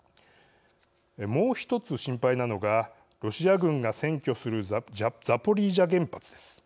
もう１つ心配なのがロシア軍が占拠するザポリージャ原発です。